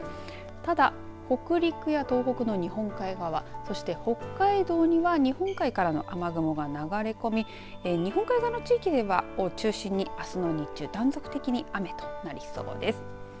ただ、北陸や東北の日本海側そして、北海道には日本海からの雨雲が流れ込み日本海側の地域を中心にあすの日中、中心に雨となりそうです。